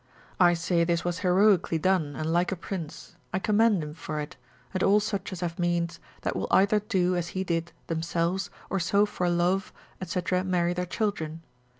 I say this was heroically done, and like a prince: I commend him for it, and all such as have means, that will either do (as he did) themselves, or so for love, &c., marry their children.